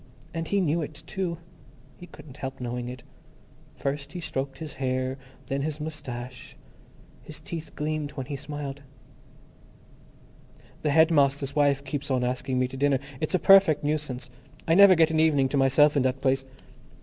And he knew it, too. He couldn't help knowing it. First he stroked his hair, then his moustache; his teeth gleamed when he smiled. "The headmaster's wife keeps on asking me to dinner. It's a perfect nuisance. I never get an evening to myself in that place."